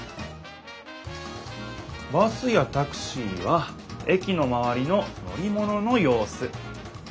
バスやタクシーは駅のまわりの乗り物のようす。